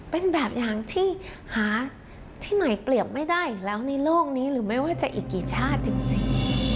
เป็นแบบอย่างที่หาที่ไหนเปรียบไม่ได้อีกแล้วในโลกนี้หรือไม่ว่าจะอีกกี่ชาติจริง